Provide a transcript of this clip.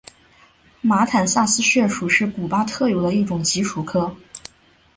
马坦萨斯穴鼠是古巴特有的一种棘鼠科。